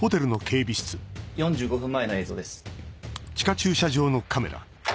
４５分前の映像です。